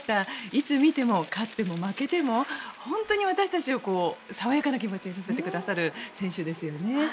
いつ見ても勝っても負けても本当に私たちを爽やかな気持ちにさせてくださる選手ですよね。